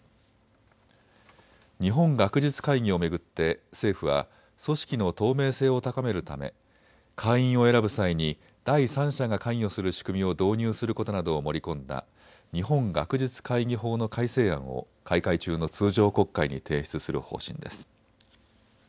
日本学術会議を巡って政府は組織の透明性を高めるため会員を選ぶ際に第三者が関与する仕組みを導入することなどを盛り込んだ日本学術会議法の改正案を開会中の通常国会に提出する方針です。